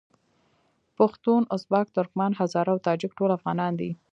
پښتون، ازبک، ترکمن، هزاره او تاجک ټول افغانان دي.